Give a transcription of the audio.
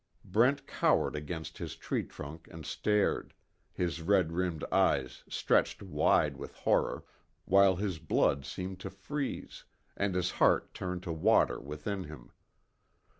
Brent cowered against his treetrunk and stared, his red rimmed eyes stretched wide with horror, while his blood seemed to freeze, and his heart turned to water within him.